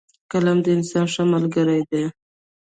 قلم د انسان ښه ملګری دی